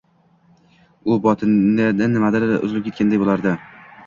U botinidan nimadir uzilib ketganday bo‘lardi.